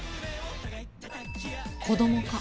子供か。